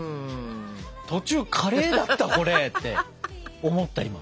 途中カレーだったこれって思った今。